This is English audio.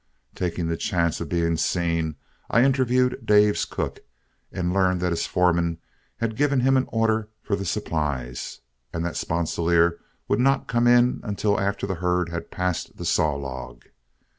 Taking the chances of being seen, I interviewed Dave's cook, and learned that his foreman had given him an order for the supplies, and that Sponsilier would not come in until after the herd had passed the Saw Log.